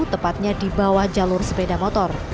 tepatnya di bawah jalur sepeda motor